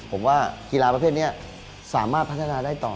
ผมว่ากีฬาประเภทนี้สามารถพัฒนาได้ต่อ